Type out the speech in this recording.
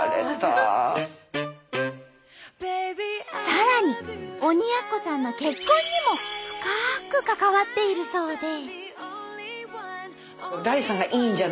さらに鬼奴さんの結婚にも深く関わっているそうで。